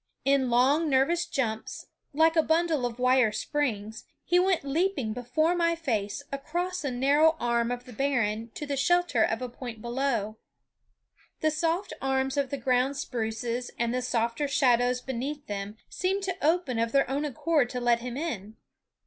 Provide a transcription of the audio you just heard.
In long nervous jumps, like a bundle of wire springs, he went leaping before my face across a narrow arm of the barren to the shelter of a point below. The soft arms of the ground spruces and the softer shadows beneath them seemed to open of their own accord to let him in.